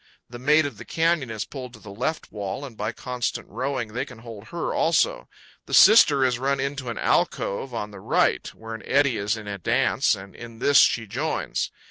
The "Maid of the Canyon" is pulled to the left wall, and, by constant rowing, they can hold her also. The "Sister" is run into an alcove on the right, where an eddy is in a dance, and in this she joins.